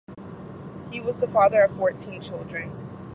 He was the father of fourteen children.